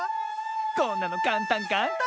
こんなのかんたんかんたん！